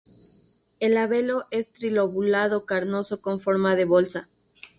El labelo es trilobulado, carnoso con forma de bolsa.